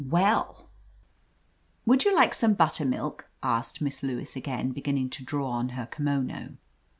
Well— "Would you like some buttennilk?" asked Miss Lewis again, beginning to draw on her kimono.